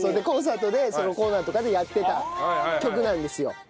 コンサートでソロコーナーとかでやってた曲なんですよ。